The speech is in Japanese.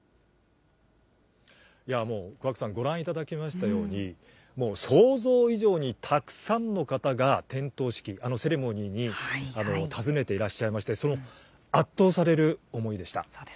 いやもう、桑子さん、ご覧いただきましたように、もう想像以上にたくさんの方が、点灯式、セレモニーに訪ねていらっしゃいまして、圧倒される思いでした。